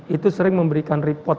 itu sering memberikan report